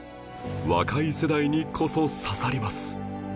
若い世代にこそ刺さります